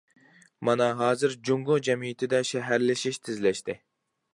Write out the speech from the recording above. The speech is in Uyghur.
مانا ھازىر جۇڭگو جەمئىيىتىدە شەھەرلىشىش تېزلەشتى.